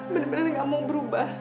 bener bener gak mau berubah